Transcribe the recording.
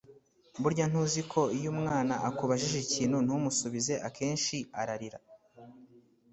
burya ntuziko iyo umwana akubajije ikintu ntumusubize akenshi ararira